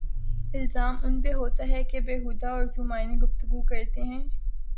الزام ان پہ ہوتاہے کہ بیہودہ اورذومعنی گفتگو کرتے ہیں۔